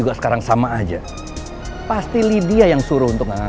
bu sawang jadi pembawa juncuran saya ke pub